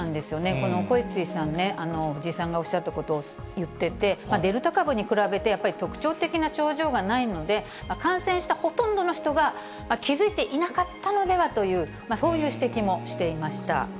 このコエツィさんね、藤井さんがおっしゃったことを言ってて、デルタ株に比べて、やっぱり特徴的な症状がないので、感染したほとんどの人が気付いていなかったのではという、そういう指摘もしていました。